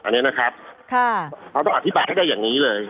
เราต้องอธิบายให้ได้อย่างนี้เลย